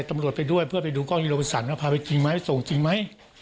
ตำรวจไปด้วยเพื่อไปดูกล้องฮิโรปสันว่าพาไปจริงไหมส่งจริงไหม